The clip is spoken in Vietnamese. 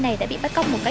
bây giờ mẹ mai con bảo